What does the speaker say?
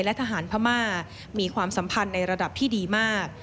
ระหว่างทหารไทยและทหารพม่ามีความสัมพันธ์ในระดับที่ดีมาก